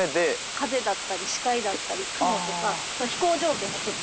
風だったり視界だったり雲とか飛行条件がちょっと。